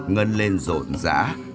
ngân lên rộn rã